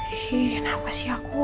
ih kenapa sih aku